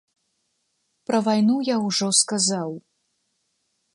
Пра вайну я ўжо сказаў.